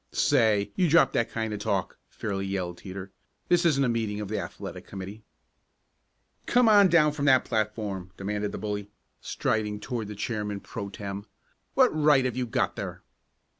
"Say, you drop that kind of talk!" fairly yelled Teeter. "This isn't a meeting of the athletic committee!" "Come on down off that platform!" demanded the bully striding toward the chairman pro tem. "What right have you got there?"